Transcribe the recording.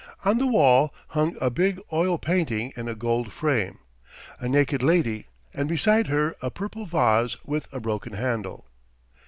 On the wall hung a big oil painting in a gold frame a naked lady and beside her a purple vase with a broken handle.